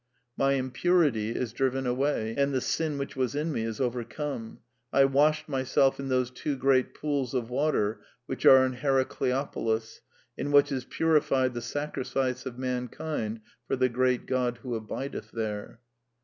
"My impurity is driven away, and the sin which was in me is overcome. I washed myself in those two great pools of water which are in Heracleopolis, in which is purified the sacrifice of mankind for the great God who ahideth there."